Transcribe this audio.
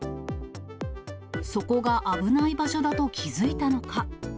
そこが危ない場所だと気付いたのか。